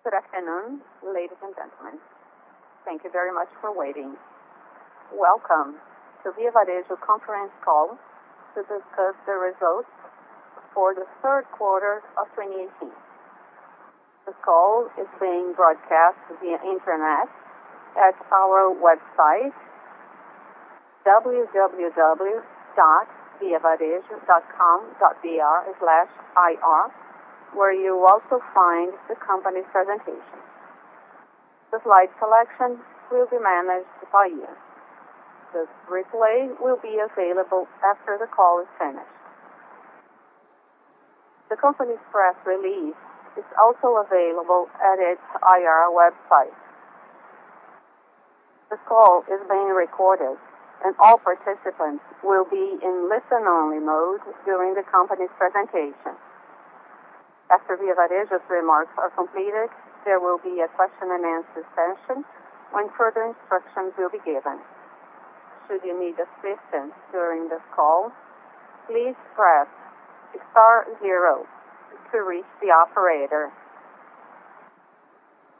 Good afternoon, ladies and gentlemen. Thank you very much for waiting. Welcome to Via Varejo conference call to discuss the results for the third quarter of 2018. This call is being broadcast via internet at our website, www.viavarejo.com.br/ir, where you'll also find the company's presentation. The slide selection will be managed by you. This replay will be available after the call is finished. The company's press release is also available at its IR website. This call is being recorded, and all participants will be in listen-only mode during the company's presentation. After Via Varejo's remarks are completed, there will be a question and answer session when further instructions will be given. Should you need assistance during this call, please press star zero to reach the operator.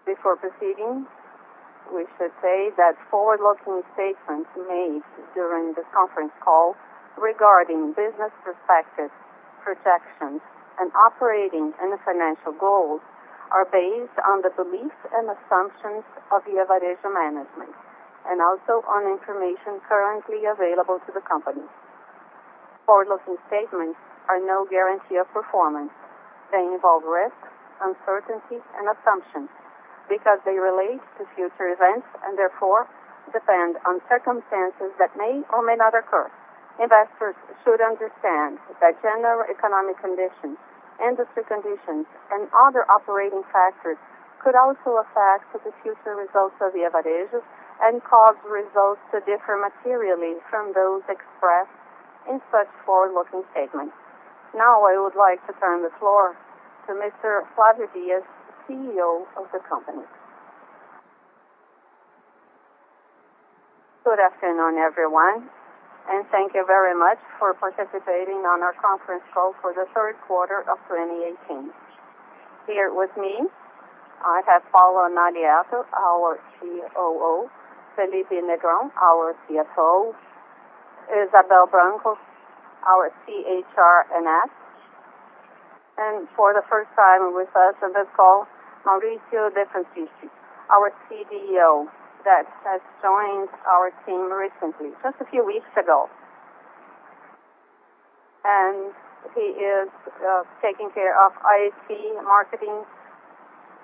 Before proceeding, we should say that forward-looking statements made during this conference call regarding business prospects, projections, and operating and financial goals, are based on the beliefs and assumptions of Via Varejo management, and also on information currently available to the company. Forward-looking statements are no guarantee of performance. They involve risks, uncertainties, and assumptions because they relate to future events and therefore, depend on circumstances that may or may not occur. Investors should understand that general economic conditions, industry conditions, and other operating factors could also affect the future results of Via Varejo and cause results to differ materially from those expressed in such forward-looking statements. I would like to turn the floor to Mr. Flávio Dias, the CEO of the company. Good afternoon, everyone, and thank you very much for participating on our conference call for the third quarter of 2018. Here with me, I have Paulo Nagaiato, our COO, Felipe Negrão, our CFO, Izabel Branco, our CHRO, and for the first time with us on this call, Maurizio de Franciscis, our CDO, that has joined our team recently, just a few weeks ago. He is taking care of IT, marketing,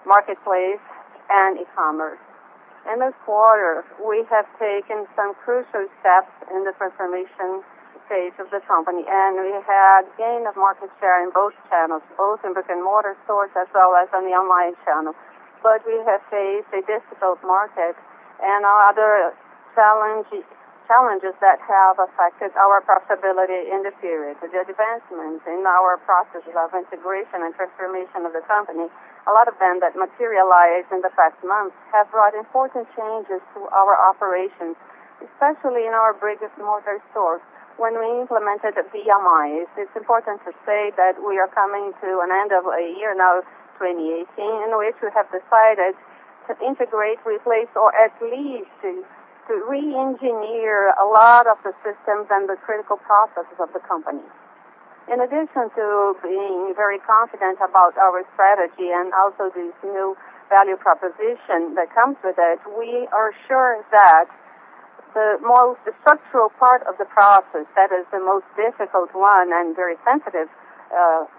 marketplace, and e-commerce. In this quarter, we have taken some crucial steps in the transformation phase of the company, and we had gain of market share in both channels, both in brick-and-mortar stores as well as on the online channel. We have faced a difficult market and other challenges that have affected our profitability in the period. The advancements in our processes of integration and transformation of the company, a lot of them that materialized in the past month, have brought important changes to our operations, especially in our brick-and-mortar stores when we implemented VMI. It's important to say that we are coming to an end of a year now, 2018, in which we have decided to integrate, replace, or at least to re-engineer a lot of the systems and the critical processes of the company. In addition to being very confident about our strategy and also this new value proposition that comes with it, we are sure that the structural part of the process, that is the most difficult one and very sensitive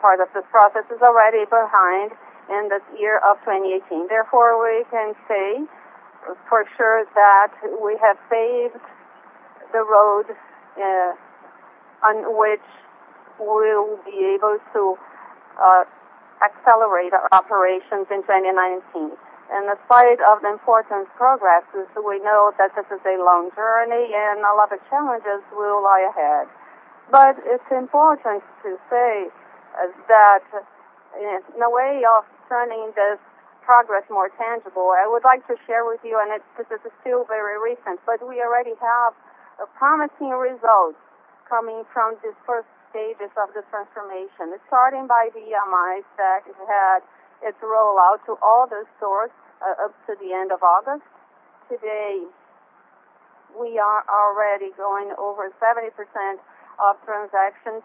part of the process, is already behind in this year of 2018. Therefore, we can say for sure that we have paved the road on which we'll be able to accelerate our operations in 2019. Despite of the important progresses, we know that this is a long journey and a lot of challenges will lie ahead. It's important to say that in a way of turning this progress more tangible, I would like to share with you, and this is still very recent, but we already have promising results coming from these first stages of the transformation. Starting by VMI that had its rollout to all the stores up to the end of August. Today, we are already going over 70% of transactions,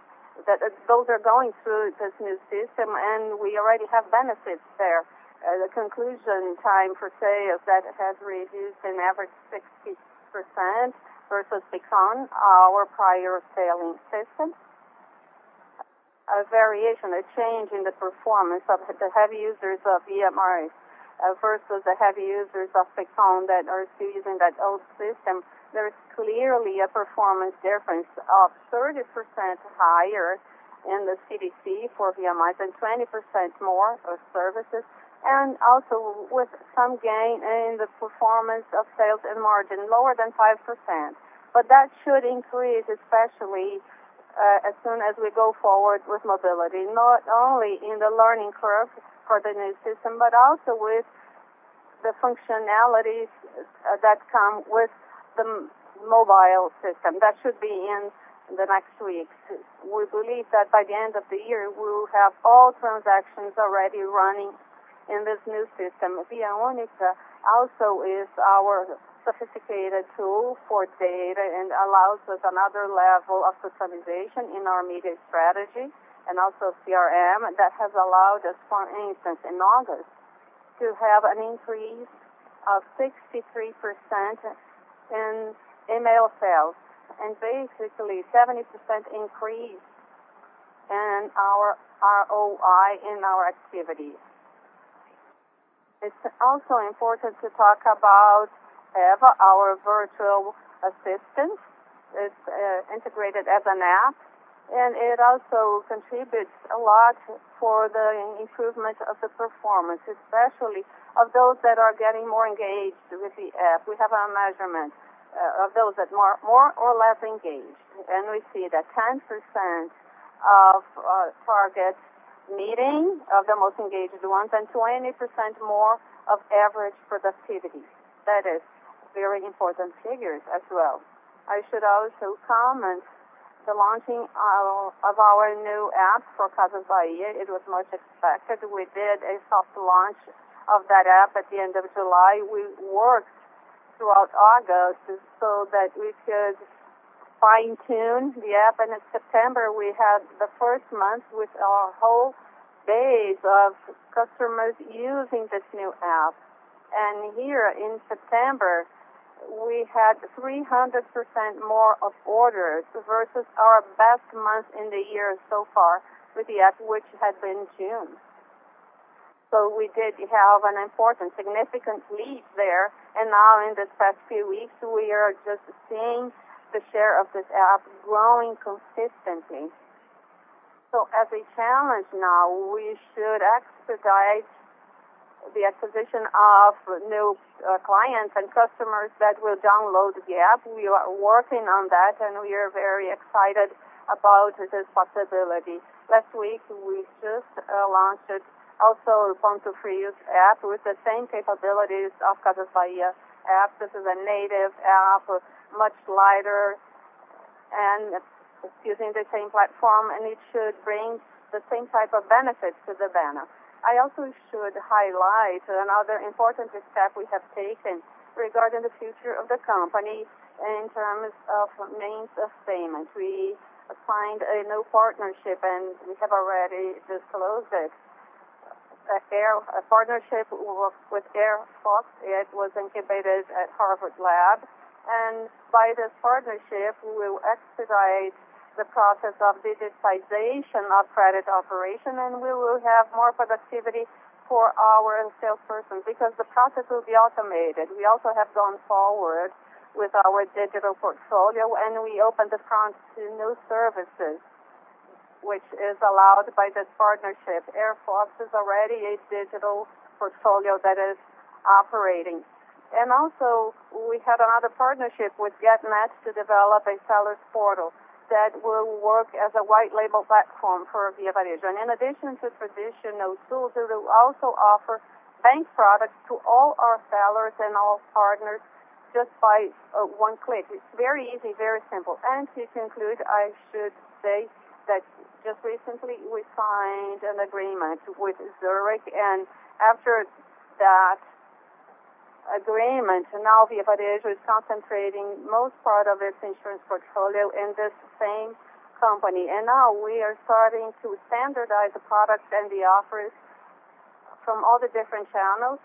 those are going through this new system, and we already have benefits there. The conclusion time for sales that have reduced an average 60% versus the Picão, our prior selling system. A variation, a change in the performance of the heavy users of VMI versus the heavy users of Picão that are still using that old system. There is clearly a performance difference of 30% higher in the CDC for VMI than 20% more for services, and also with some gain in the performance of sales and margin, lower than 5%. That should increase, especially, as soon as we go forward with mobility. Not only in the learning curve for the new system, but also with the functionalities that come with the mobile system. That should be in the next weeks. We believe that by the end of the year, we will have all transactions already running in this new system. Via Única also is our sophisticated tool for data and allows us another level of customization in our media strategy and also CRM. That has allowed us, for instance, in August, to have an increase of 63% in email sales, and basically 70% increase in our ROI in our activities. It's also important to talk about EVA, our virtual assistant. It's integrated as an app, and it also contributes a lot for the improvement of the performance, especially of those that are getting more engaged with the app. We have our measurement of those that are more or less engaged, and we see that 10% of targets meeting of the most engaged ones and 20% more of average productivity. That is very important figures as well. I should also comment the launching of our new app for Casas Bahia. It was much expected. We did a soft launch of that app at the end of July. We worked throughout August so that we could fine-tune the app, and in September, we had the first month with a whole base of customers using this new app. Here in September, we had 300% more of orders versus our best month in the year so far with the app, which had been June. We did have an important significant leap there. Now in these past few weeks, we are just seeing the share of this app growing consistently. As a challenge now, we should expedite the acquisition of new clients and customers that will download the app. We are working on that, and we are very excited about this possibility. Last week, we just launched also a Ponto Frio app with the same capabilities of Casas Bahia app. This is a native app, much lighter, and it's using the same platform, and it should bring the same type of benefits to the banner. I also should highlight another important step we have taken regarding the future of the company in terms of means of payment. We signed a new partnership, we have already disclosed it. A partnership with Airfox. It was incubated at Harvard Lab. By this partnership, we will expedite the process of digitization of credit operation, we will have more productivity for our salesperson because the process will be automated. We also have gone forward with our digital portfolio, we opened the front to new services, which is allowed by this partnership. Airfox is already a digital portfolio that is operating. Also we had another partnership with Getnet to develop a sellers portal that will work as a white label platform for Via Varejo. In addition to traditional tools, it will also offer bank products to all our sellers and all partners just by one click. It's very easy, very simple. To conclude, I should say that just recently we signed an agreement with Zurich, after that agreement, now Via Varejo is concentrating most part of its insurance portfolio in this same company. Now we are starting to standardize the products and the offers from all the different channels,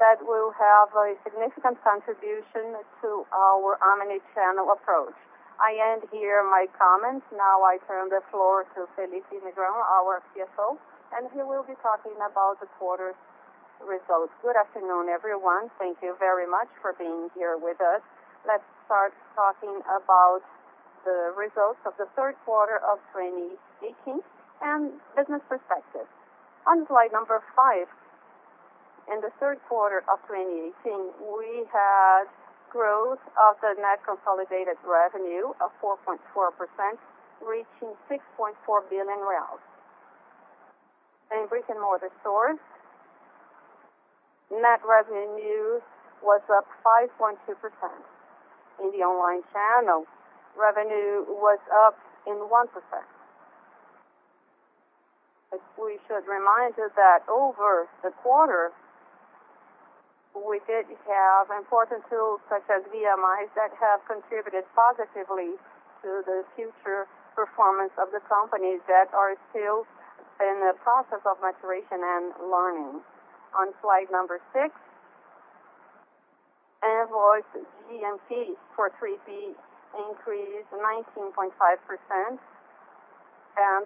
that will have a significant contribution to our omni-channel approach. I end here my comments. Now I turn the floor to Felipe Negrão, our CFO, he will be talking about the quarter's results. Good afternoon, everyone. Thank you very much for being here with us. Let's start talking about the results of the third quarter of 2018 and business perspective. On slide number five, in the third quarter of 2018, we had growth of the net consolidated revenue of 4.4%, reaching 6.4 billion. In brick-and-mortar stores, net revenue was up 5.2%. In the online channel, revenue was up in 1%. We should remind you that over the quarter, we did have important tools such as VMIs that have contributed positively to the future performance of the companies that are still in the process of maturation and learning. On slide number six, invoice GMV for 3P increased 19.5%,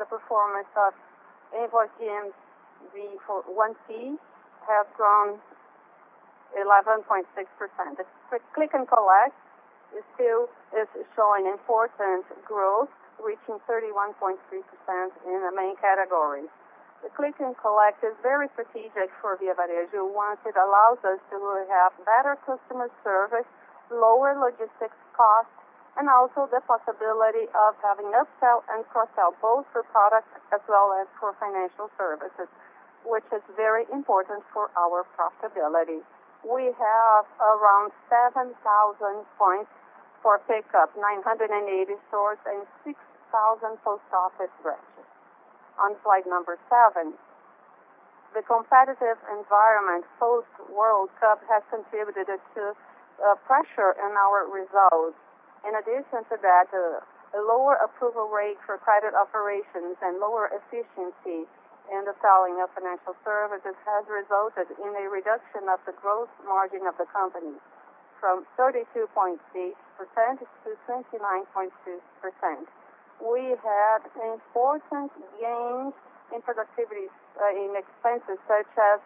the performance of invoice GMV for 1P has grown 11.6%. Click and collect still is showing important growth, reaching 31.3% in the main categories. The click and collect is very strategic for Via Varejo. One, it allows us to have better customer service, lower logistics costs, also the possibility of having upsell and cross-sell both for products as well as for financial services. Which is very important for our profitability. We have around 7,000 points for pickup, 980 stores, 6,000 post office branches. On slide number seven, the competitive environment post World Cup has contributed to pressure in our results. In addition to that, a lower approval rate for credit operations lower efficiency in the selling of financial services has resulted in a reduction of the growth margin of the company from 32.8%-29.2%. We had important gains in productivity in expenses such as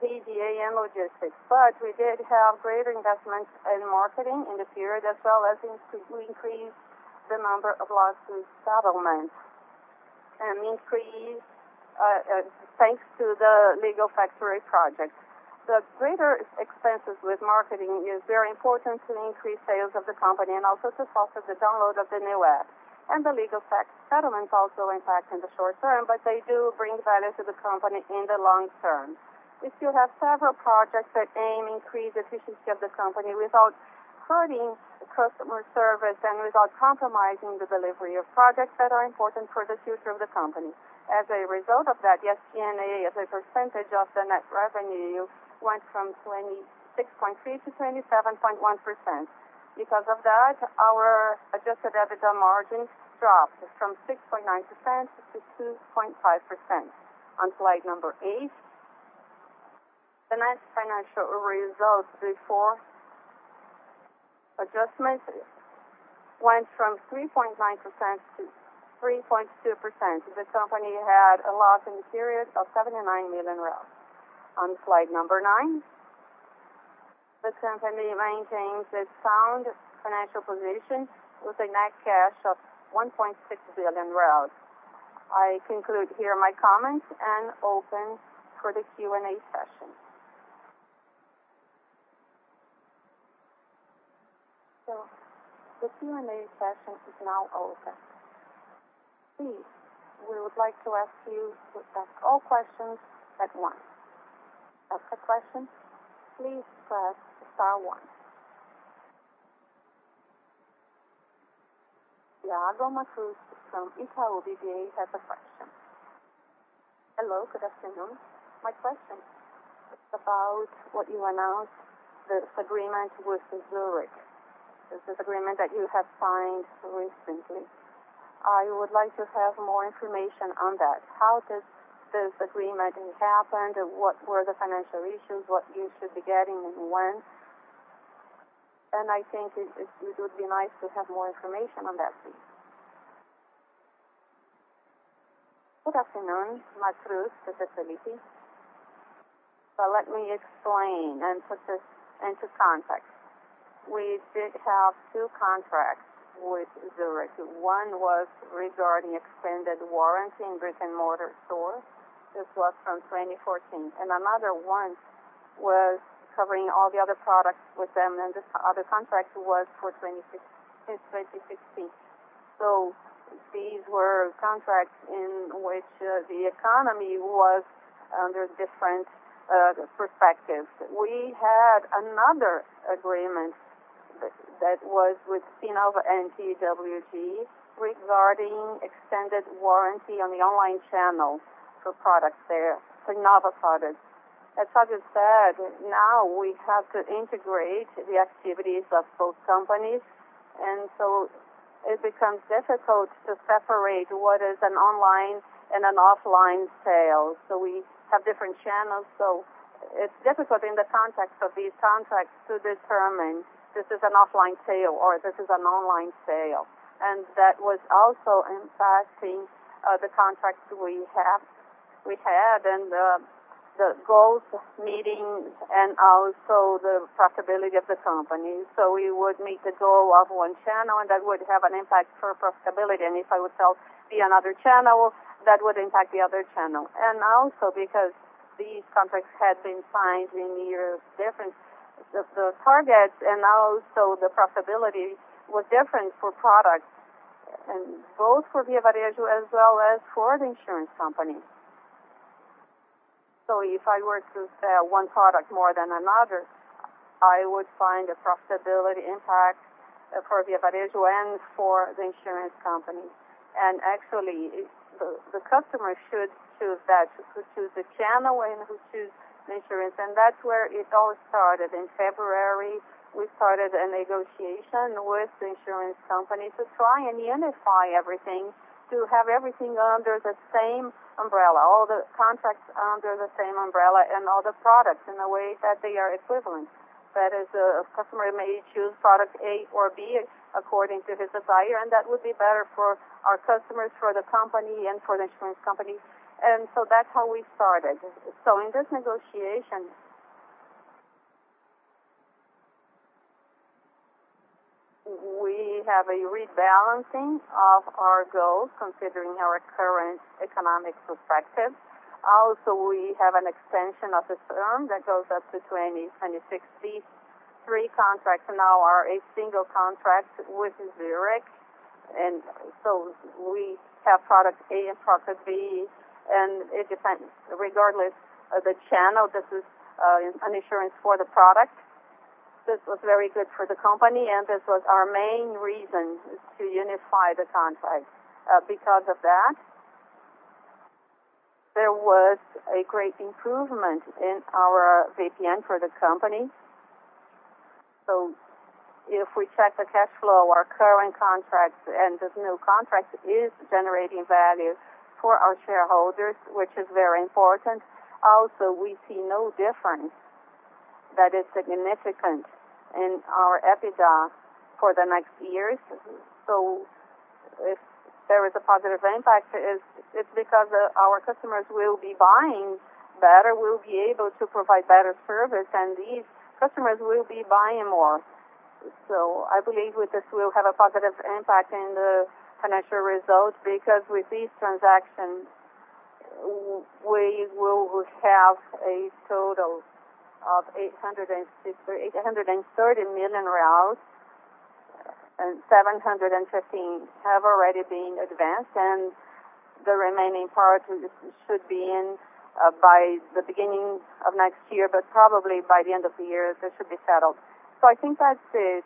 PDA logistics. We did have greater investments in marketing in the period, as well as we increased the number of lawsuit settlements, thanks to the Legal Factory project. The greater expenses with marketing is very important to increase sales of the company and also to foster the download of the new app. The Legal Factory settlements also impact in the short term, but they do bring value to the company in the long term. We still have several projects that aim to increase efficiency of the company without hurting customer service and without compromising the delivery of projects that are important for the future of the company. As a result of that, the G&A, as a percentage of the net revenue, went from 26.3% to 27.1%. Because of that, our adjusted EBITDA margin dropped from 6.9% to 2.5%. On slide number eight, the net financial results before adjustments went from 3.9% to 3.2%. The company had a loss in the period of 79 million. On slide number nine, the company maintains its sound financial position with a net cash of 1.6 billion. I conclude here my comments and open for the Q&A session. The Q&A session is now open. Please, we would like to ask you to ask all questions at once. To ask a question, please press star one. Thiago Macruz from Itaú BBA has a question. Hello, good afternoon. My question is about what you announced, this agreement with Zurich. This agreement that you have signed recently. I would like to have more information on that. How did this agreement happen? What were the financial issues? What you should be getting and when? I think it would be nice to have more information on that, please. Good afternoon, Macruz. This is Felipe. Let me explain and put this into context. We did have two contracts with Zurich. One was regarding extended warranty in brick-and-mortar stores. This was from 2014. Another one was covering all the other products with them, and this other contract was for 2016. These were contracts in which the economy was under different perspectives. We had another agreement that was with Nova and TWG regarding extended warranty on the online channel for products there, for Nova products. As Flávio said, now we have to integrate the activities of both companies, and so it becomes difficult to separate what is an online and an offline sale. We have different channels. It's difficult in the context of these contracts to determine this is an offline sale or this is an online sale. That was also impacting the contracts we had, and the goals meetings, and also the profitability of the company. We would meet the goal of one channel, and that would have an impact for profitability. If I would sell via another channel, that would impact the other channel. Also because these contracts had been signed in years different, the targets and also the profitability was different for products, and both for Via Varejo as well as for the insurance company. If I were to sell one product more than another, I would find a profitability impact for Via Varejo and for the insurance company. Actually, the customer should choose that. Should choose the channel and should choose the insurance. That's where it all started. In February, we started a negotiation with the insurance company to try and unify everything, to have everything under the same umbrella, all the contracts under the same umbrella, and all the products in a way that they are equivalent. That is, a customer may choose product A or B according to his desire, and that would be better for our customers, for the company, and for the insurance company. That's how we started. In this negotiation, we have a rebalancing of our goals considering our current economic perspective. Also, we have an extension of the term that goes up to 2063. Contracts now are a single contract with Zurich. We have product A and product B, and it depends. Regardless of the channel, this is an insurance for the product. This was very good for the company, and this was our main reason to unify the contract. Because of that, there was a great improvement in our NPV for the company. If we check the cash flow, our current contract and this new contract is generating value for our shareholders, which is very important. Also, we see no difference that is significant in our EBITDA for the next years. If there is a positive impact, it's because our customers will be buying better. We'll be able to provide better service, and these customers will be buying more. I believe this will have a positive impact in the financial results, because with this transaction, we will have a total of BRL 830 million, and 715 million have already been advanced, and the remaining part should be in by the beginning of next year. Probably by the end of the year, this should be settled. I think that's it.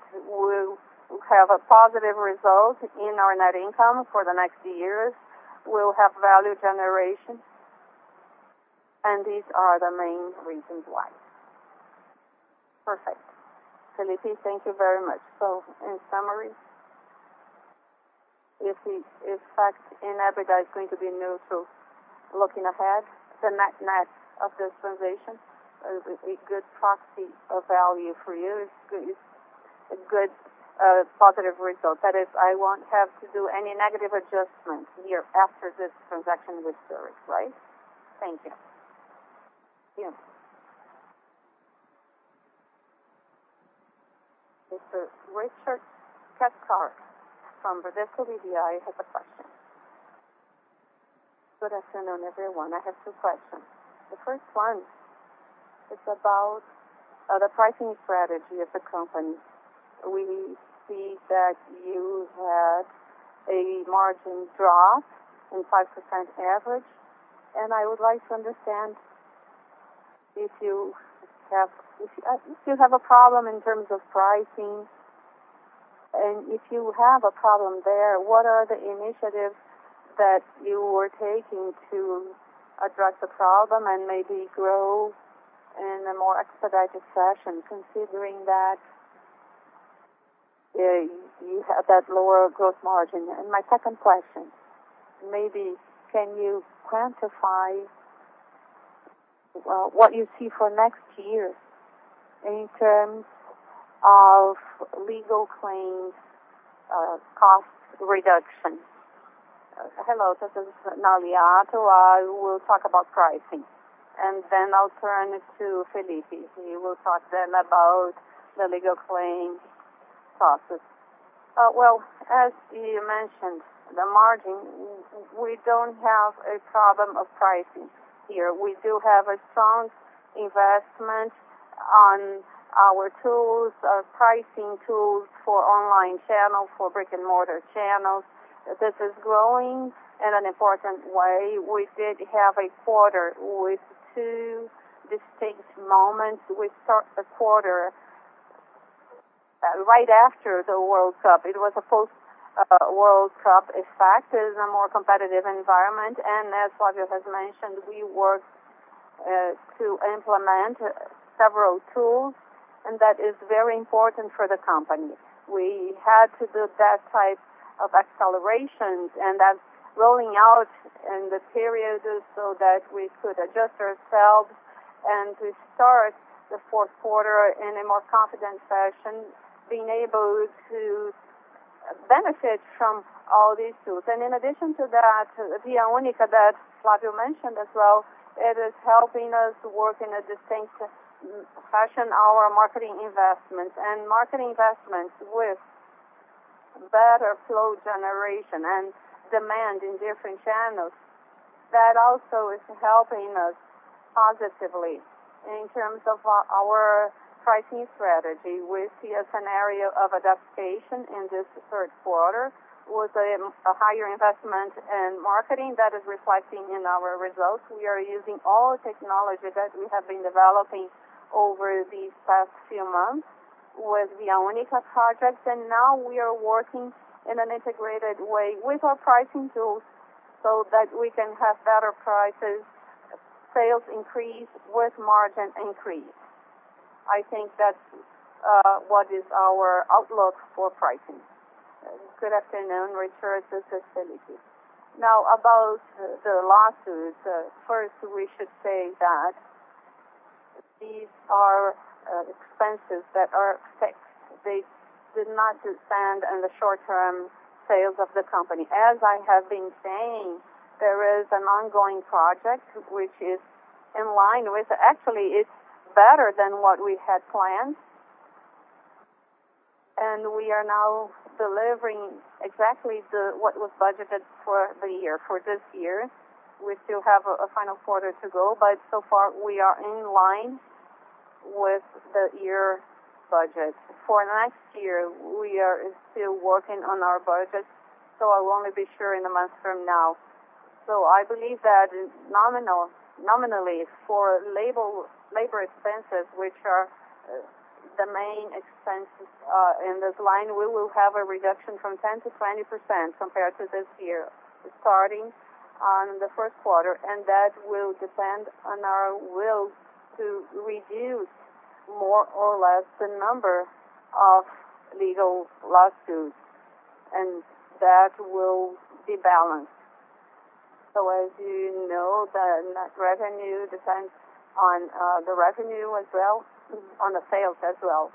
We'll have a positive result in our net income for the next years. We'll have value generation, and these are the main reasons why. Perfect. Felipe, thank you very much. In summary, if fact and EBITDA is going to be neutral looking ahead, the net-net of this transition is a good proxy of value for you. It's a good positive result. That is, I won't have to do any negative adjustments here after this transaction with Zurich, right? Thank you. Yeah. Mr. Richard Cathcart from Bradesco BBI has a question. Good afternoon, everyone. I have two questions. The first one is about the pricing strategy of the company. We see that you had a margin drop in 5% average, I would like to understand if you have a problem in terms of pricing. If you have a problem there, what are the initiatives that you are taking to address the problem and maybe grow in a more expedited fashion, considering that you have that lower growth margin? My second question, maybe can you quantify what you see for next year in terms of legal claims cost reduction? Hello, this is Natalia. I will talk about pricing, and then I'll turn it to Felipe. He will talk then about the legal claim process. As you mentioned, the margin, we don't have a problem of pricing here. We do have a sound investment on our tools, our pricing tools for online channels, for brick-and-mortar channels. This is growing in an important way. We did have a quarter with two distinct moments. We start the quarter right after the World Cup. It was a post-World Cup effect. It is a more competitive environment. As Flávio has mentioned, we worked to implement several tools, and that is very important for the company. We had to do that type of acceleration, and that is rolling out in the period so that we could adjust ourselves and to start the fourth quarter in a more confident fashion, being able to benefit from all these tools. In addition to that, Via Única that Flávio mentioned as well, it is helping us work in a distinct fashion our marketing investments. Marketing investments with better flow generation and demand in different channels. That also is helping us positively in terms of our pricing strategy. We see a scenario of adaptation in this third quarter with a higher investment in marketing that is reflecting in our results. We are using all technology that we have been developing over these past few months with Via Única projects. Now we are working in an integrated way with our pricing tools so that we can have better prices, sales increase with margin increase. I think that is what is our outlook for pricing. Good afternoon, Richard. This is Felipe. About the lawsuits. First, we should say that these are expenses that are fixed. They did not stand in the short-term sales of the company. As I have been saying, there is an ongoing project. Actually, it is better than what we had planned. We are now delivering exactly what was budgeted for the year, for this year. We still have a final quarter to go, so far we are in line with the year budget. For next year, we are still working on our budget, so I will only be sure in a month from now. I believe that nominally for labor expenses, which are the main expenses in this line, we will have a reduction from 10%-20% compared to this year, starting on the first quarter, and that will depend on our will to reduce more or less the number of legal lawsuits, and that will be balanced. As you know, the net revenue depends on the revenue as well, on the sales as well.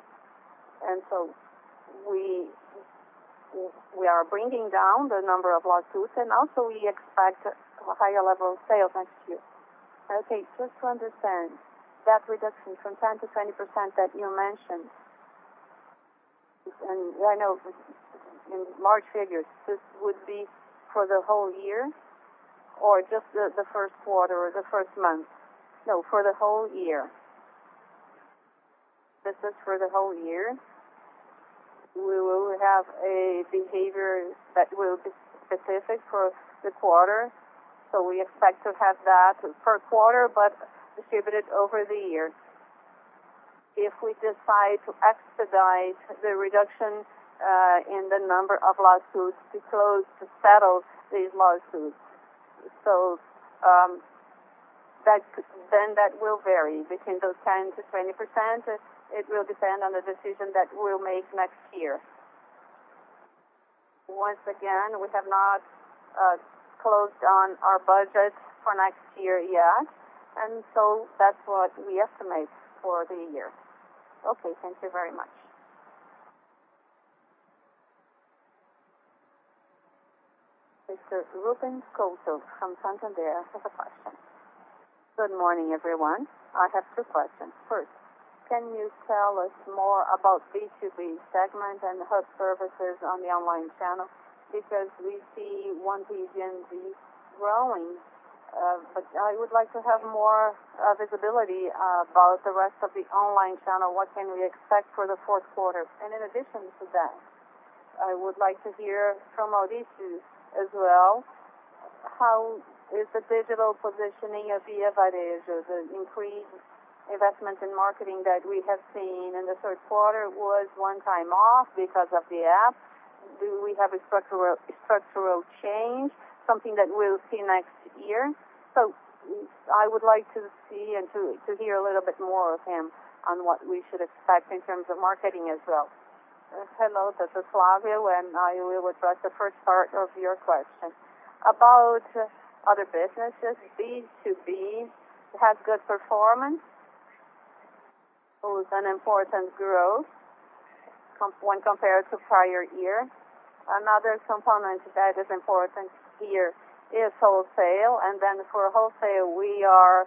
We are bringing down the number of lawsuits, and also we expect a higher level of sales next year. Okay. Just to understand, that reduction from 10%-20% that you mentioned, and I know in March figures, this would be for the whole year or just the first quarter or the first month? No, for the whole year. This is for the whole year. We will have a behavior that will be specific for the quarter. We expect to have that per quarter, but distributed over the year. If we decide to expedite the reduction in the number of lawsuits to close, to settle these lawsuits. That will vary between those 10%-20%. It will depend on the decision that we will make next year. Once again, we have not closed on our budget for next year yet, that is what we estimate for the year. Okay. Thank you very much. Mr. Ruben Couto from Santander has a question. Good morning, everyone. I have two questions. First, can you tell us more about B2B segment and the hub services on the online channel? Because we see 1P GMV growing, but I would like to have more visibility about the rest of the online channel. What can we expect for the fourth quarter? In addition to that, I would like to hear from Maurizio as well. How is the digital positioning of Via Varejo? The increased investment in marketing that we have seen in the third quarter was one time off because of the app. Do we have a structural change, something that we will see next year? I would like to see and to hear a little bit more from him on what we should expect in terms of marketing as well. Hello, this is Flávio, I will address the first part of your question. About other businesses, B2B had good performance. It was an important growth when compared to prior year. Another component that is important here is wholesale. For wholesale, we are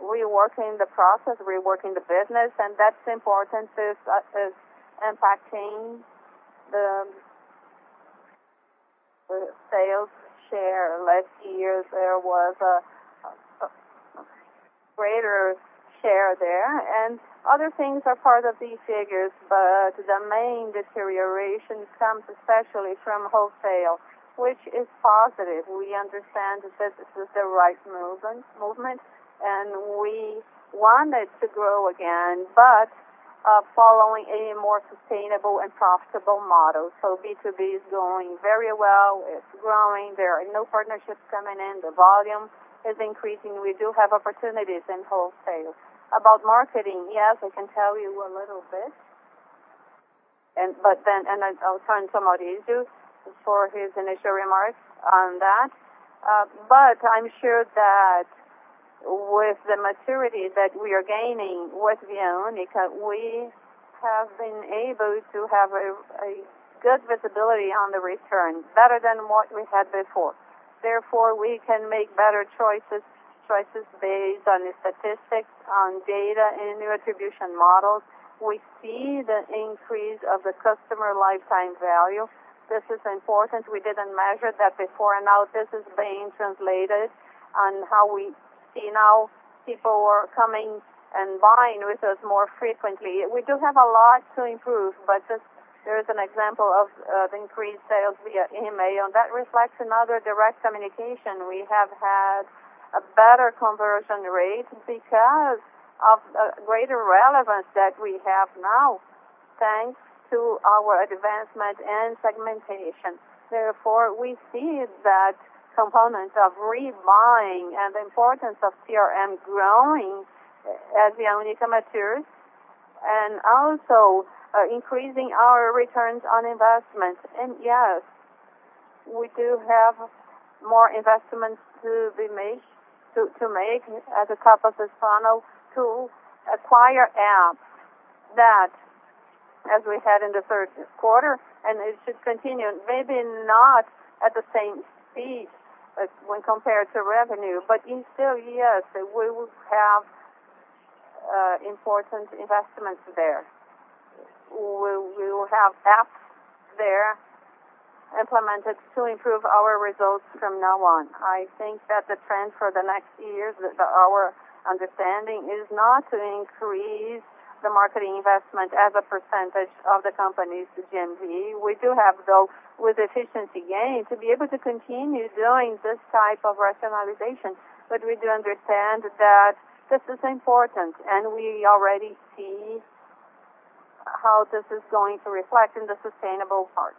reworking the process, reworking the business, that's important. It's impacting the sales share. Last year, there was a greater share there, other things are part of these figures, but the main deterioration comes especially from wholesale, which is positive. We understand that this is the right movement, we want it to grow again, but following a more sustainable and profitable model. B2B is going very well. It's growing. There are new partnerships coming in. The volume is increasing. We do have opportunities in wholesale. About marketing, yes, I can tell you a little bit. I'll turn to Maurizio for his initial remarks on that. I'm sure that with the maturity that we are gaining with Via Única, we have been able to have a good visibility on the return, better than what we had before. Therefore, we can make better choices based on statistics, on data, new attribution models. We see the increase of the customer lifetime value. This is important. We didn't measure that before. Now this is being translated on how we see now people are coming and buying with us more frequently. We do have a lot to improve, but just there is an example of increased sales via email, that reflects another direct communication. We have had a better conversion rate because of greater relevance that we have now, thanks to our advancement and segmentation. Therefore, we see that component of rebuying the importance of CRM growing as Via Única matures, also increasing our returns on investment. Yes, we do have more investments to make at the top of this funnel to acquire apps that as we had in the third quarter, it should continue, maybe not at the same speed when compared to revenue, still, yes, we will have important investments there. We will have apps there implemented to improve our results from now on. I think that the trend for the next years, our understanding is not to increase the marketing investment as a percentage of the company's GMV. We do have, though, with efficiency gains, to be able to continue doing this type of rationalization. We do understand that this is important, and we already see how this is going to reflect in the sustainable part.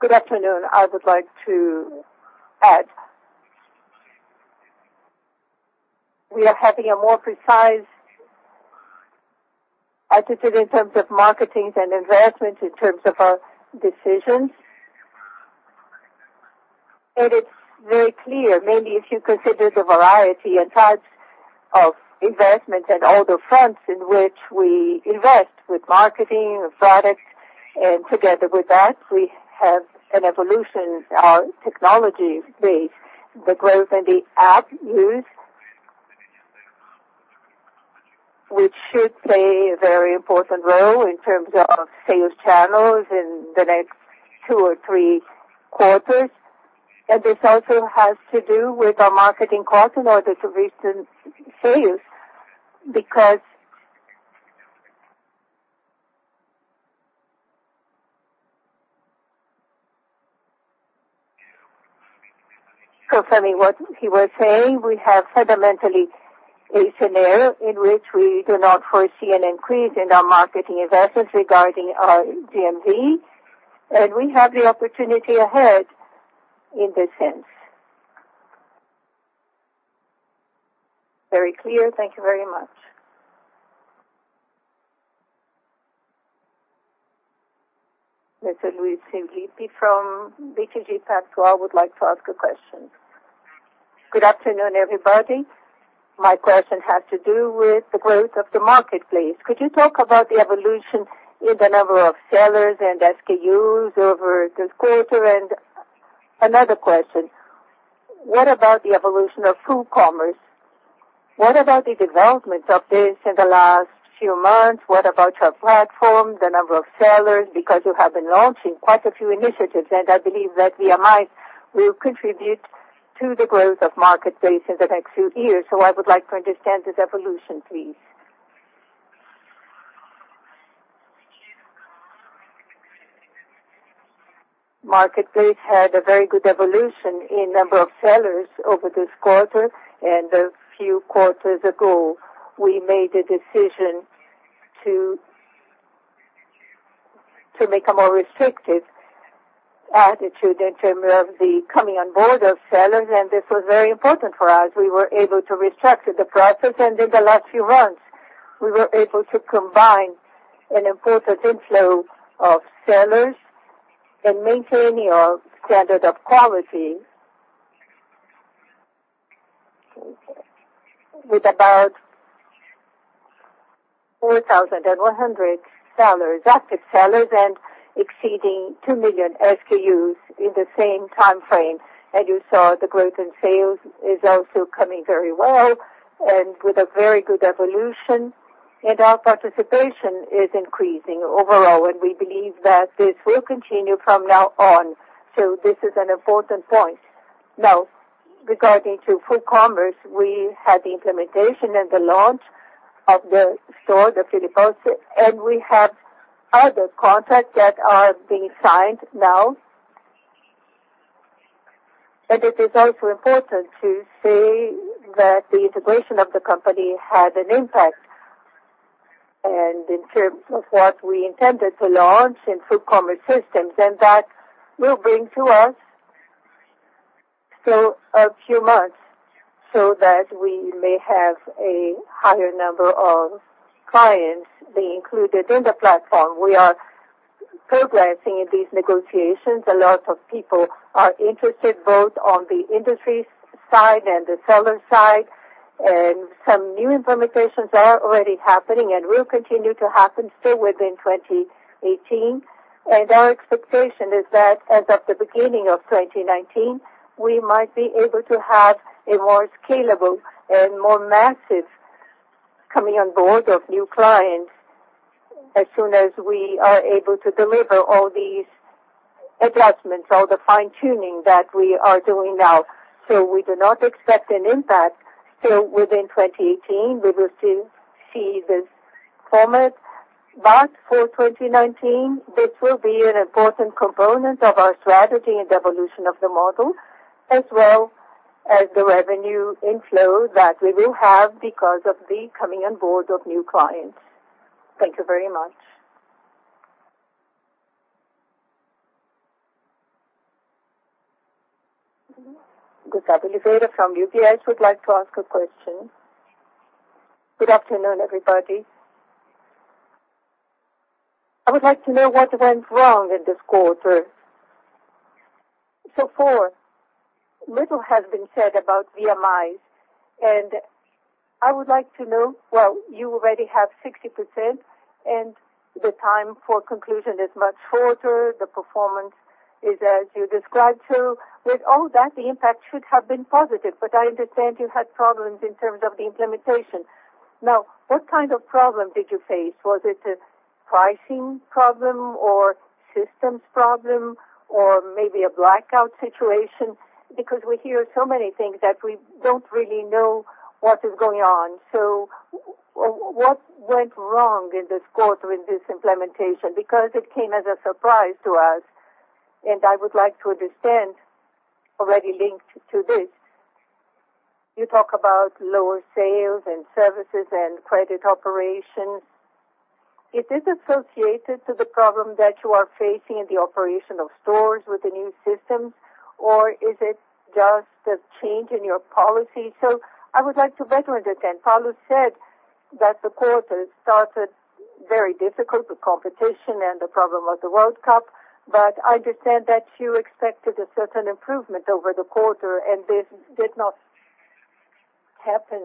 Good afternoon. I would like to add. We are having a more precise attitude in terms of marketing and investment, in terms of our decisions. It's very clear, maybe if you consider the variety and types of investment and all the fronts in which we invest with marketing, products, and together with that, we have an evolution in our technology base, the growth in the app use. Which should play a very important role in terms of sales channels in the next two or three quarters. This also has to do with our marketing cost in order to boost sales. Confirming what he was saying, we have fundamentally a scenario in which we do not foresee an increase in our marketing investments regarding our GMV, and we have the opportunity ahead in this sense. Very clear. Thank you very much. Mr. Luiz Guanais from BTG Pactual would like to ask a question. Good afternoon, everybody. My question has to do with the growth of the Marketplace. Could you talk about the evolution in the number of sellers and SKUs over this quarter? Another question, what about the evolution of Full Commerce? What about the development of this in the last few months? What about your platform, the number of sellers? Because you have been launching quite a few initiatives, and I believe that VMI will contribute to the growth of Marketplace in the next few years. I would like to understand this evolution, please. Marketplace had a very good evolution in the number of sellers over this quarter and a few quarters ago. We made a decision to make a more restrictive attitude in terms of the coming on board of sellers. This was very important for us. We were able to restrict the process. In the last few months, we were able to combine an important inflow of sellers and maintain your standard of quality, with about 4,100 active sellers and exceeding 2 million SKUs in the same time frame. As you saw, the growth in sales is also coming very well and with a very good evolution, and our participation is increasing overall, and we believe that this will continue from now on. This is an important point. Now, regarding to Full Commerce, we had the implementation and the launch of the store, the Frete grátis, and we have other contracts that are being signed now. It is also important to say that the integration of the company had an impact. In terms of what we intended to launch in Full Commerce systems, and that will bring to us a few months so that we may have a higher number of clients be included in the platform. We are progressing in these negotiations. A lot of people are interested both on the industry side and the seller side, some new implementations are already happening and will continue to happen still within 2018. Our expectation is that as of the beginning of 2019, we might be able to have a more scalable and more massive coming on board of new clients as soon as we are able to deliver all these adjustments, all the fine-tuning that we are doing now. We do not expect an impact still within 2018. We will still see this format. For 2019, this will be an important component of our strategy and evolution of the model, as well as the revenue inflow that we will have because of the coming on board of new clients. Thank you very much. Gisele Oliveira from UBS would like to ask a question. Good afternoon, everybody. I would like to know what went wrong in this quarter. So far, little has been said about VMIs, and I would like to know. Well, you already have 60%, and the time for conclusion is much shorter. The performance is as you described. With all that, the impact should have been positive, but I understand you had problems in terms of the implementation. Now, what kind of problem did you face? Was it a pricing problem or systems problem, or maybe a blackout situation? Because we hear so many things that we don't really know what is going on. What went wrong in this quarter with this implementation? Because it came as a surprise to us, and I would like to understand, already linked to this. You talk about lower sales in services and credit operations. Is this associated to the problem that you are facing in the operation of stores with the new systems, or is it just a change in your policy? I would like to better understand. Paulo said that the quarter started very difficult with competition and the problem of the World Cup. I understand that you expected a certain improvement over the quarter, and this did not happen.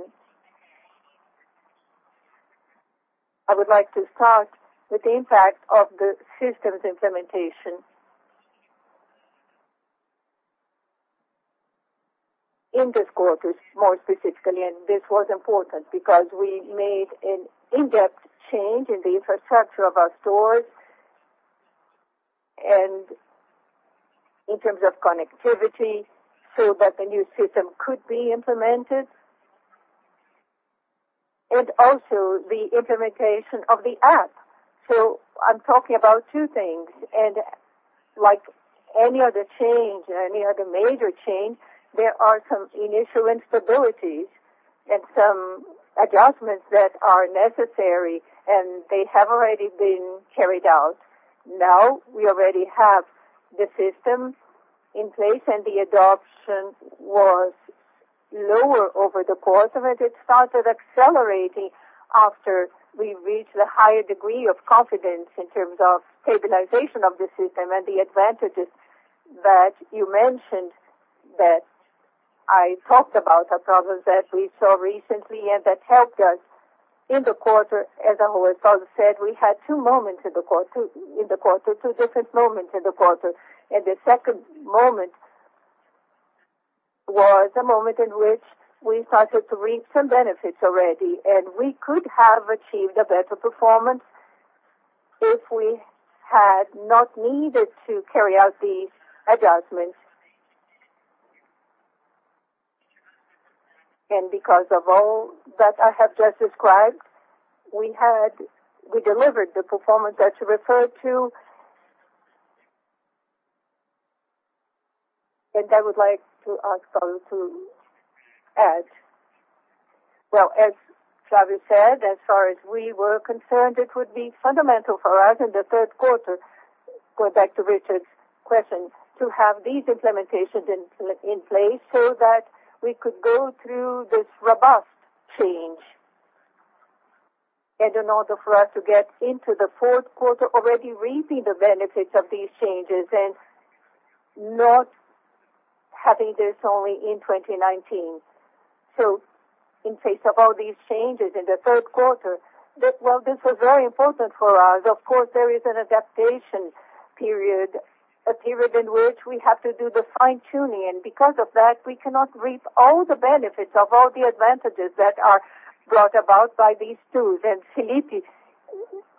I would like to start with the impact of the systems implementation. In this quarter, more specifically, this was important because we made an in-depth change in the infrastructure of our stores, in terms of connectivity, so that the new system could be implemented. Also the implementation of the app. I'm talking about two things. Like any other change, any other major change, there are some initial instabilities and some adjustments that are necessary, and they have already been carried out. Now we already have the system in place, the adoption was lower over the quarter, it started accelerating after we reached a higher degree of confidence in terms of stabilization of the system and the advantages that you mentioned, that I talked about, the problems that we saw recently and that helped us in the quarter. As always, Paulo said we had two moments in the quarter, two different moments in the quarter. The second moment was a moment in which we started to reap some benefits already, we could have achieved a better performance if we had not needed to carry out these adjustments. Because of all that I have just described, we delivered the performance that you referred to. I would like to ask Paulo to add. As Flávio said, as far as we were concerned, it would be fundamental for us in the third quarter, going back to Richard's question, to have these implementations in place so that we could go through this robust change. In order for us to get into the fourth quarter already reaping the benefits of these changes and not having this only in 2019. In face of all these changes in the third quarter, this was very important for us. There is an adaptation period, a period in which we have to do the fine-tuning, and because of that, we cannot reap all the benefits of all the advantages that are brought about by these tools. Felipe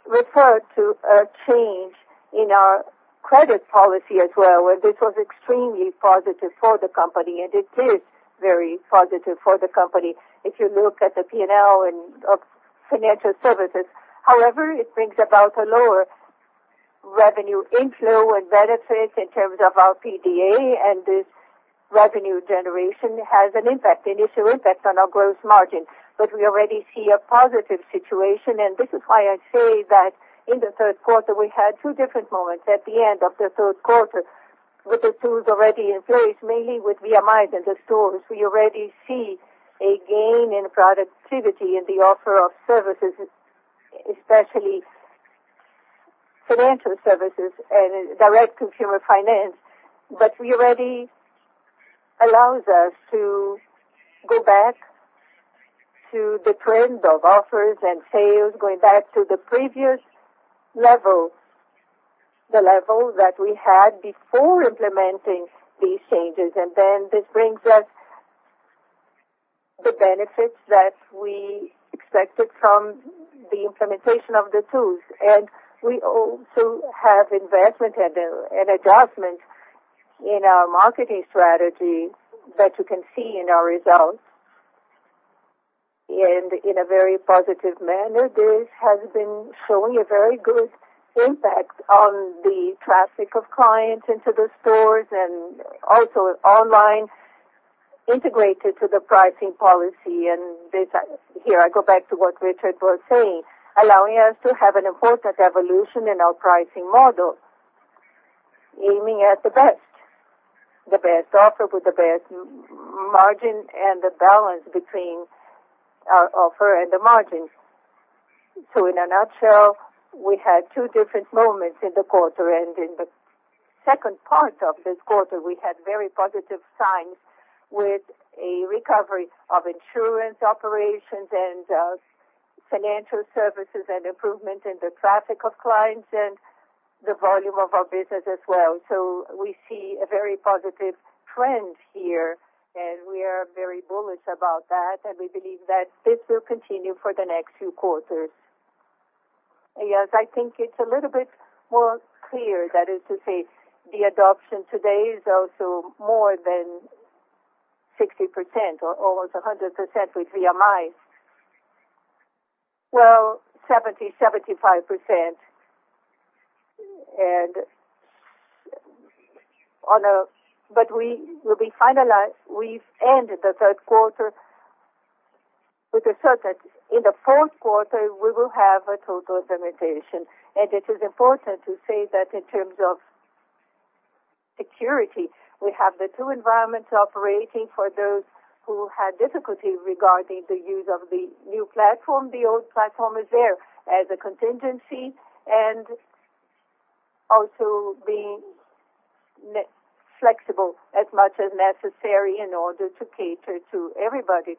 referred to a change in our credit policy as well, and this was extremely positive for the company, and it is very positive for the company. If you look at the P&L of financial services, however, it brings about a lower revenue inflow and benefit in terms of our PDA, and this revenue generation has an initial impact on our gross margin. We already see a positive situation, and this is why I say that in the third quarter, we had two different moments. At the end of the third quarter, with the tools already in place, mainly with VMI in the stores, we already see a gain in productivity in the offer of services, especially financial services and direct consumer finance. That already allows us to go back to the trend of offers and sales, going back to the previous level, the level that we had before implementing these changes. This brings us the benefits that we expected from the implementation of the tools. We also have investment and adjustment in our marketing strategy that you can see in our results and in a very positive manner. This has been showing a very good impact on the traffic of clients into the stores and also online, integrated to the pricing policy. Here I go back to what Richard was saying, allowing us to have an important evolution in our pricing model, aiming at the best. The best offer with the best margin and the balance between our offer and the margin. So in a nutshell, we had two different moments in the quarter, and in the second part of this quarter, we had very positive signs with a recovery of insurance operations and financial services and improvement in the traffic of clients and the volume of our business as well. We see a very positive trend here, and we are very bullish about that, and we believe that this will continue for the next few quarters. I think it's a little bit more clear. The adoption today is also more than 60%, or almost 100% with VMI. 70%, 75%. We've ended the third quarter with the third quarter. In the fourth quarter, we will have a total implementation. It is important to say that in terms of security, we have the two environments operating for those who had difficulty regarding the use of the new platform. The old platform is there as a contingency and also being flexible as much as necessary in order to cater to everybody.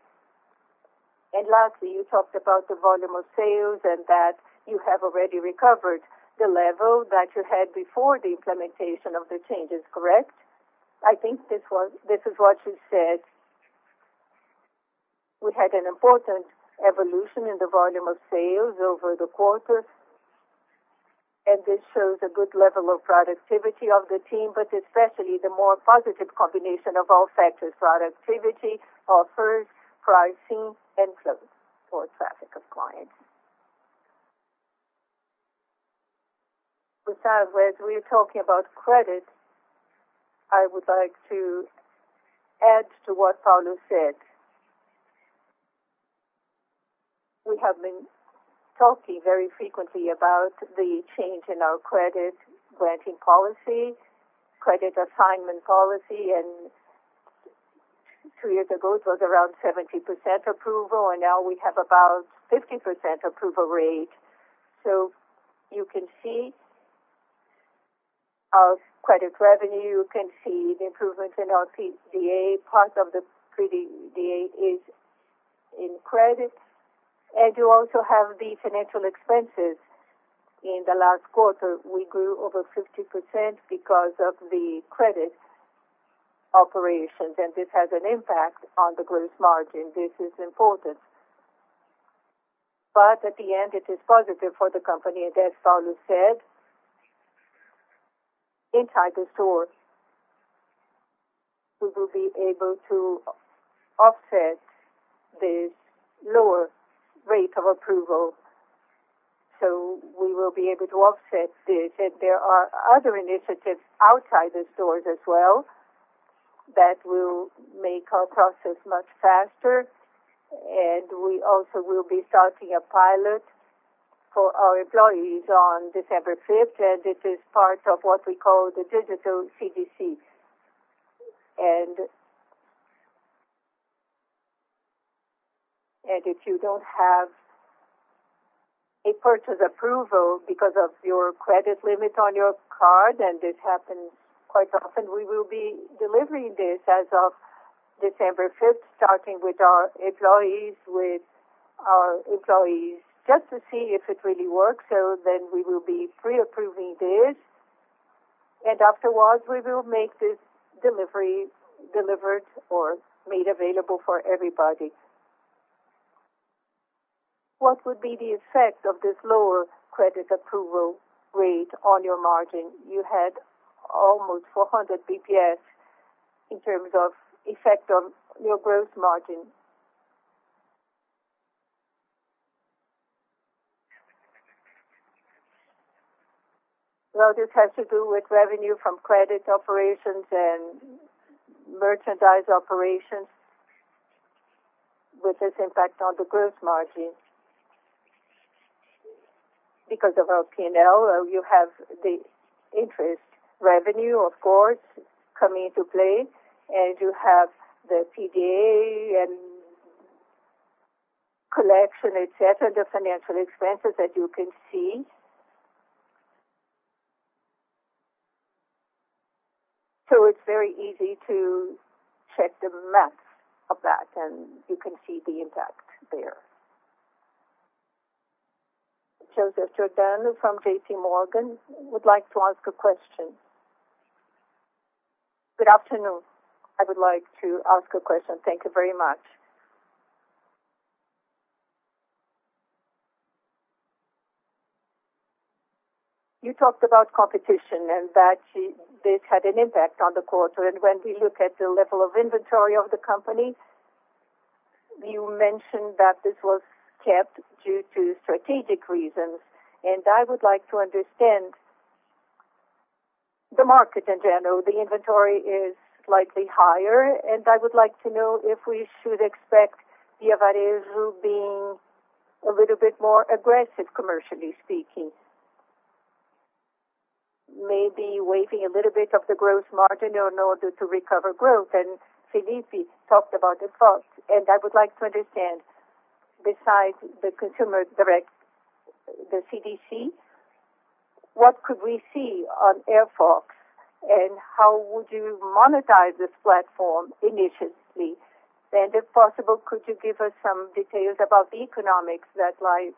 Lastly, you talked about the volume of sales and that you have already recovered the level that you had before the implementation of the changes, correct? I think this is what you said. We had an important evolution in the volume of sales over the quarter, and this shows a good level of productivity of the team, but especially the more positive combination of all factors: productivity, offers, pricing, and flow or traffic of clients. Gustavo, as we are talking about credit, I would like to add to what Paulo said. We have been talking very frequently about the change in our credit granting policy, credit assignment policy, and 2 years ago, it was around 70% approval, and now we have about 50% approval rate. You can see our credit revenue, you can see the improvements in our PDA. Part of the PDA is in credit. You also have the financial expenses. In the last quarter, we grew over 50% because of the credit operations, and this has an impact on the gross margin. This is important. But at the end, it is positive for the company, and as Paulo said, inside the store, we will be able to offset this lower rate of approval. We will be able to offset this. There are other initiatives outside the stores as well that will make our process much faster. We also will be starting a pilot for our employees on December 5, and it is part of what we call the digital CDC. If you don't have a purchase approval because of your credit limit on your card, and this happens quite often, we will be delivering this as of December 5, starting with our employees, just to see if it really works. Then we will be pre-approving this. Afterwards, we will make this delivered or made available for everybody. What would be the effect of this lower credit approval rate on your margin? You had almost 400 BPS in terms of effect on your gross margin. This has to do with revenue from credit operations and merchandise operations, which has impact on the gross margin. Because of our P&L, you have the interest revenue, of course, coming into play, and you have the PDA and collection, et cetera, the financial expenses that you can see. It's very easy to check the math of that, and you can see the impact there. Joseph Jordan from JP Morgan would like to ask a question. Good afternoon. I would like to ask a question. Thank you very much. You talked about competition and that this had an impact on the quarter. When we look at the level of inventory of the company, you mentioned that this was kept due to strategic reasons. I would like to know if we should expect Via Varejo being a little bit more aggressive, commercially speaking. Maybe waiving a little bit of the gross margin in order to recover growth. Felipe talked about the costs, and I would like to understand, besides the consumer direct, the CDC, what could we see on Airfox, and how would you monetize this platform initially? If possible, could you give us some details about the economics that lie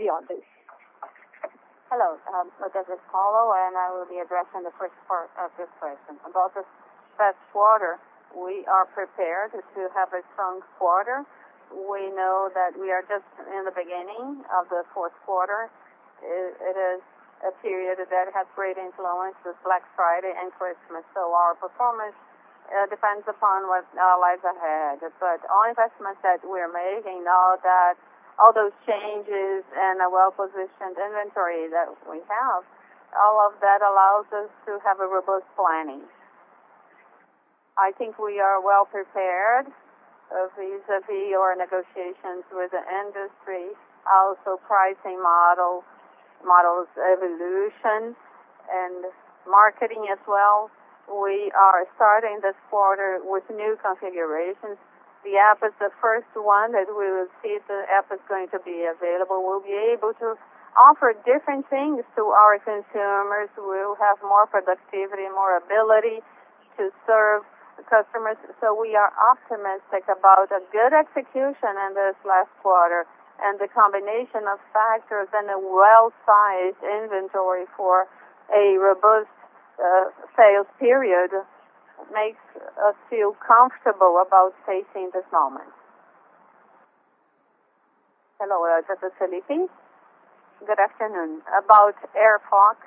beyond this? Hello. This is Paulo, and I will be addressing the first part of this question. About this past quarter, we are prepared to have a strong quarter. We know that we are just in the beginning of the fourth quarter. It is a period that has great influence with Black Friday and Christmas, our performance depends upon what lies ahead. All investments that we're making now, all those changes and a well-positioned inventory that we have, all of that allows us to have a robust planning. I think we are well-prepared vis-à-vis our negotiations with the industry. Also, pricing model, models evolution, and marketing as well. We are starting this quarter with new configurations. The app is the first one that we will see. The app is going to be available. We'll be able to offer different things to our consumers. We will have more productivity, more ability to serve customers. We are optimistic about a good execution in this last quarter. The combination of factors and a well-sized inventory for a robust sales period makes us feel comfortable about facing this moment. Hello. This is Felipe. Good afternoon. About Airfox,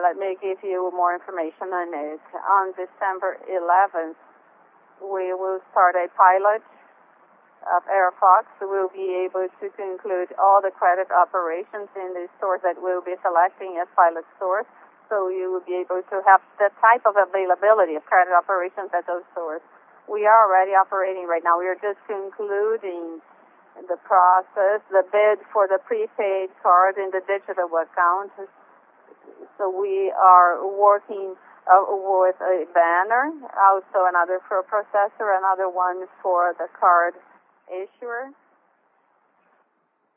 let me give you more information on it. On December 11th, we will start a pilot of Airfox. We'll be able to conclude all the credit operations in the stores that we'll be selecting as pilot stores. You will be able to have the type of availability of credit operations at those stores. We are already operating right now. We are just concluding the process, the bid for the prepaid card and the digital account. We are working with a banner, also another for a processor, another one for the card issuer.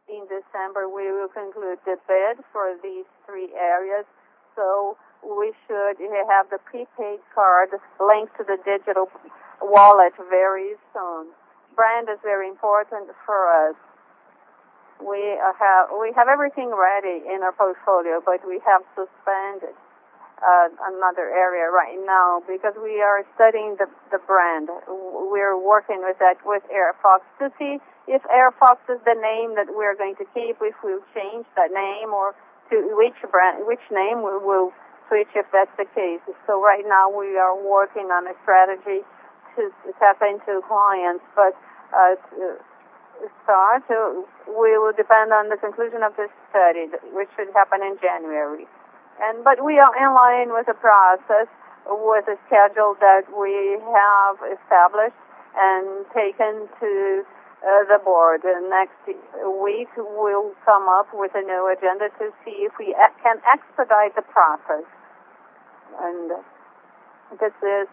In December, we will conclude the bid for these three areas, we should have the prepaid card linked to the digital wallet very soon. Brand is very important for us. We have everything ready in our portfolio, but we have to spend another area right now because we are studying the brand. We're working with that with Airfox to see if Airfox is the name that we're going to keep, if we'll change the name, or to which name we will switch, if that's the case. Right now, we are working on a strategy to tap into clients. To start, we will depend on the conclusion of this study, which should happen in January. We are in line with the process, with the schedule that we have established and taken to the board. Next week, we'll come up with a new agenda to see if we can expedite the process. This is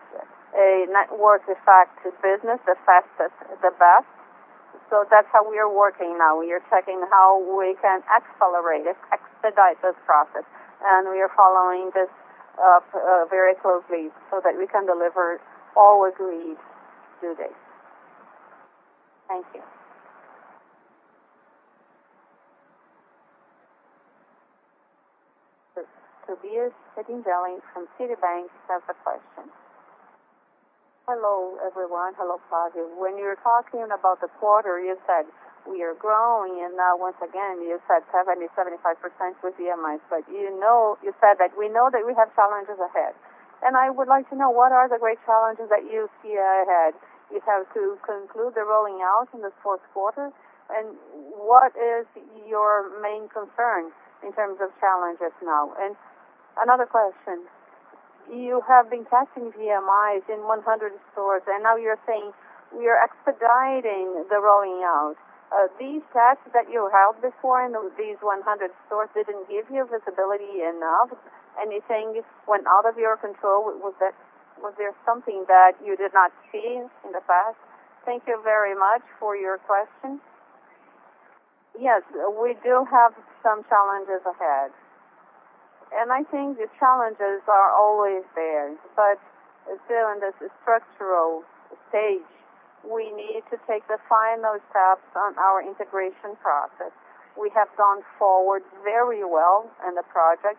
a network effect business, the fastest, the best. That's how we are working now. We are checking how we can accelerate it, expedite this process. We are following this up very closely so that we can deliver all agreed due dates. Thank you. Tobias Stingelin from Citibank has a question. Hello, everyone. Hello, Flávio. When you're talking about the quarter, you said we are growing, now once again, you said 70%-75% with VMIs. You said that we know that we have challenges ahead. I would like to know, what are the great challenges that you see ahead? You have to conclude the rolling out in the fourth quarter, what is your main concern in terms of challenges now? Another question, you have been testing VMIs in 100 stores, now you're saying we are expediting the rolling out. These tests that you held before in these 100 stores didn't give you visibility enough? Anything went out of your control? Was there something that you did not see in the past? Thank you very much for your question. Yes, we do have some challenges ahead. I think the challenges are always there. Still in this structural stage, we need to take the final steps on our integration process. We have gone forward very well in the project.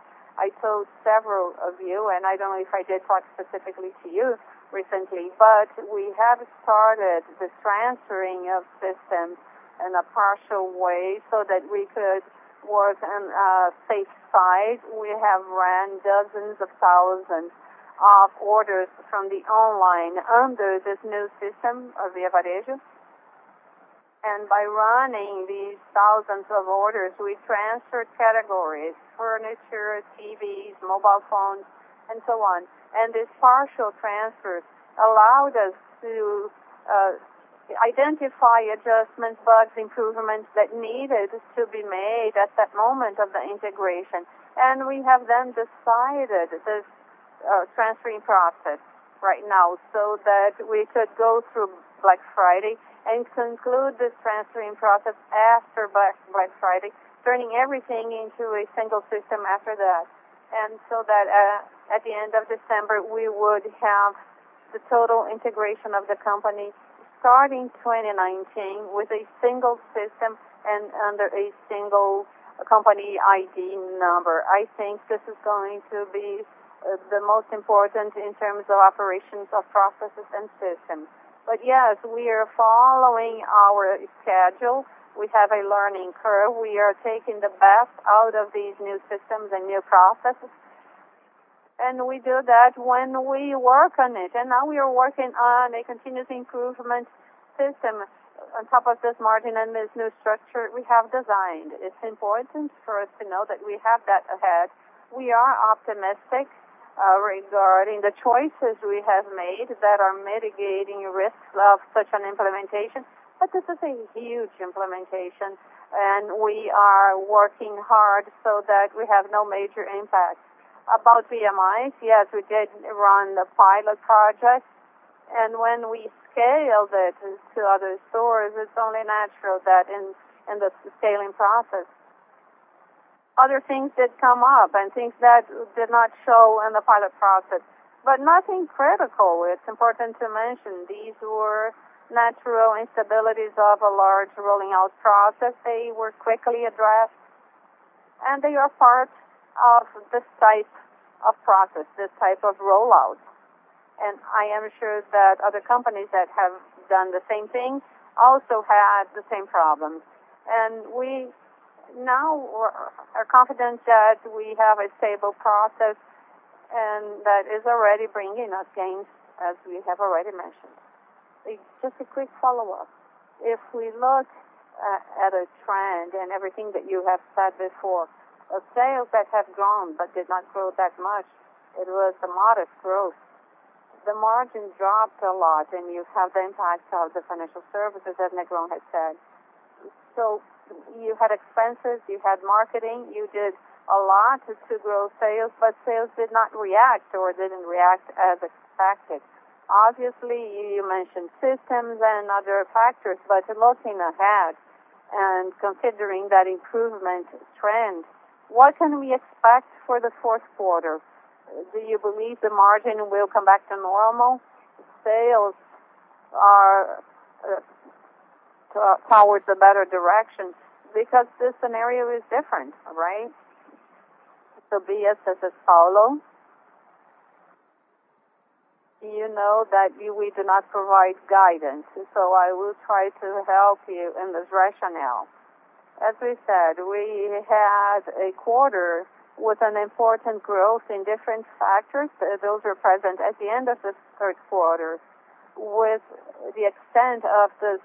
So that at the end of December, we would have the total integration of the company starting 2019 with a single system and under a single company ID number. I think this is going to be the most important in terms of operations of processes and systems. Yes, we are following our schedule. We have a learning curve. We are taking the best out of these new systems and new processes. We do that when we work on it. Now we are working on a continuous improvement system on top of this margin and this new structure we have designed. It's important for us to know that we have that ahead. We are optimistic regarding the choices we have made that are mitigating risks of such an implementation. This is a huge implementation, and we are working hard so that we have no major impact. I told several of you, I don't know if I did talk specifically to you recently, but we have started this transferring of systems in a partial way so that we could work on a safe side. We have run dozens of thousands of orders from the online under this new system of Via Varejo. By running these thousands of orders, we transferred categories, furniture, TVs, mobile phones, and so on. This partial transfer allowed us to identify adjustments, bugs, improvements that needed to be made at that moment of the integration. We have then decided this transferring process right now, so that we could go through Black Friday and conclude this transferring process after Black Friday, turning everything into a single system after that. About VMIs, yes, we did run the pilot projects, when we scaled it to other stores, it's only natural that in the scaling process, other things did come up and things that did not show in the pilot process, nothing critical. It's important to mention these were natural instabilities of a large rolling out process. They were quickly addressed, and they are part of this type of process, this type of rollout. I am sure that other companies that have done the same thing also had the same problems. We now are confident that we have a stable process and that is already bringing us gains, as we have already mentioned. Just a quick follow-up. If we look at a trend and everything that you have said before, sales that have grown but did not grow that much, it was a modest growth. The margin dropped a lot. You have the impact of the financial services, as Negrão has said. You had expenses, you had marketing, you did a lot to grow sales, but sales did not react or didn't react as expected. Obviously, you mentioned systems and other factors. Looking ahead and considering that improvement trend, what can we expect for the fourth quarter? Do you believe the margin will come back to normal? Sales are towards a better direction because the scenario is different, right? Tobias, this is Paulo. You know that we do not provide guidance. I will try to help you in this rationale. As we said, we had a quarter with an important growth in different factors. Those were present at the end of the third quarter. With the extent of this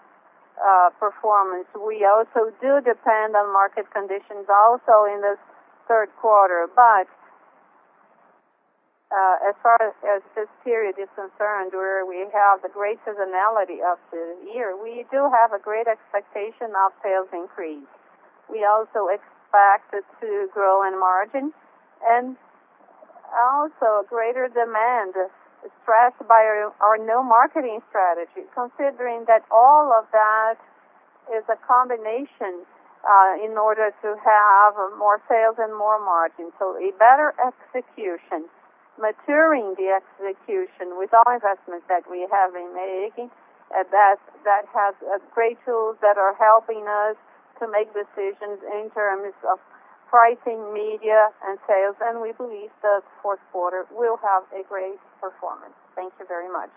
performance, we also do depend on market conditions also in the third quarter. As far as this period is concerned, where we have the great seasonality of the year, we do have a great expectation of sales increase. We also expect it to grow in margin and also greater demand expressed by our new marketing strategy, considering that all of that is a combination in order to have more sales and more margin. A better execution, maturing the execution with all investment that we have been making, that has great tools that are helping us to make decisions in terms of pricing, media, and sales. We believe the fourth quarter will have a great performance. Thank you very much.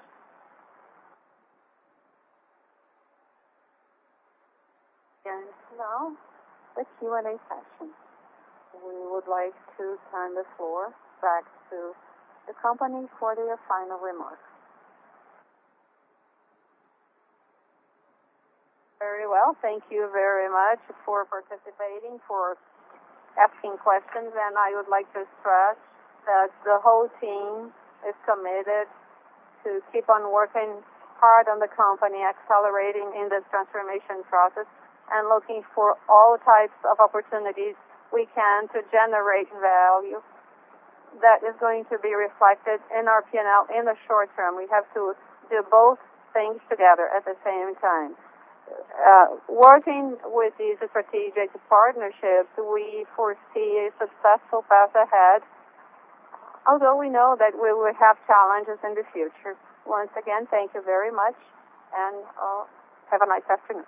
Now the Q&A session. We would like to turn the floor back to the company for their final remarks. Very well. Thank you very much for participating, for asking questions. I would like to stress that the whole team is committed to keep on working hard on the company, accelerating in this transformation process and looking for all types of opportunities we can to generate value that is going to be reflected in our P&L in the short term. We have to do both things together at the same time. Working with these strategic partnerships, we foresee a successful path ahead, although we know that we will have challenges in the future. Once again, thank you very much. Have a nice afternoon.